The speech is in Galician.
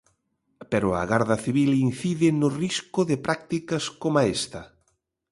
Pero a Garda Civil incide no risco de prácticas coma esta.